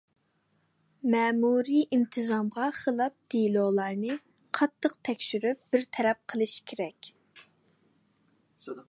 مەمۇرىي ئىنتىزامغا خىلاپ دېلولارنى قاتتىق تەكشۈرۈپ بىر تەرەپ قىلىش كېرەك.